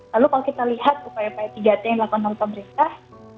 lalu kalau kita lihat upaya upaya tiga t yang dilakukan oleh pemerintah